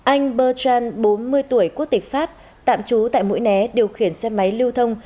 anh bertrand bốn mươi tuổi quốc tịch pháp tạm trú tại mũi né điều khiển xe máy lưu thông